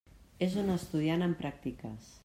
És un estudiant en pràctiques.